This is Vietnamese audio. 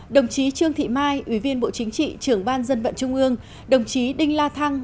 đồng chí trương thị mai ủy viên bộ chính trị trưởng ban dân vận trung ương đồng chí đinh la thăng